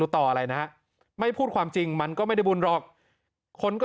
ต่ออะไรนะไม่พูดความจริงมันก็ไม่ได้บุญหรอกคนก็